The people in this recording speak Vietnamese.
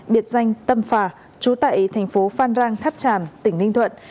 biệt danh tâm phà chú tại thành phố phan rang tháp tràm tỉnh ninh thuận